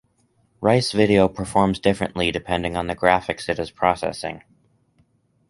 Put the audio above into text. Rice Video performs differently depending upon the graphics it is processing.